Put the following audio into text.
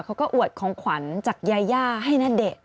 เอาอวดของขวัญจากยายาให้ณเดก